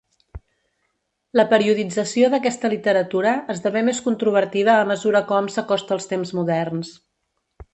La periodització d'aquesta literatura esdevé més controvertida a mesura que hom s'acosta als temps moderns.